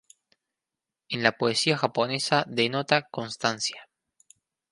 En la poesía japonesa, denota "constancia".